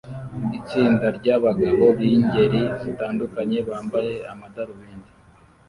Itsinda ryabagabo bingeri zitandukanye bambaye amadarubindi